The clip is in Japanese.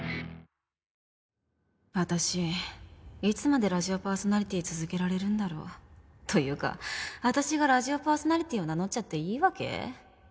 私いつまでラジオパーソナリティー続けられるんだろう？というか私がラジオパーソナリティーを名乗っちゃっていいわけ？